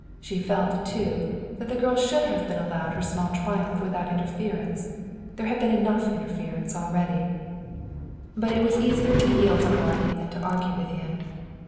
She felt, too, that the girl should have been allowed her small triumph without interference. There had been interference enough already. But it was easier to yield to Harvey than to argue with him.